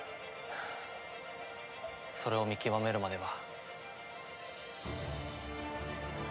それを見極めるまでは。